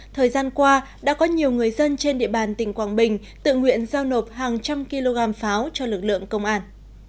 thời gian qua đã có nhiều người dân trên địa bàn tỉnh quảng bình tự nguyện giao nộp hàng trăm kg pháo cho lực lượng công an